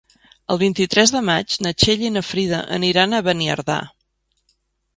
El vint-i-tres de maig na Txell i na Frida aniran a Beniardà.